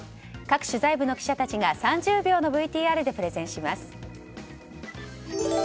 各取材部の記者やたちが３０秒のＶＴＲでプレゼンします。